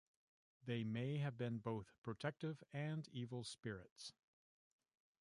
They may have been both protective and evil spirits.